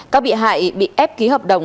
các bị hại bị ép ký hợp đồng